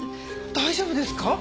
大丈夫ですか？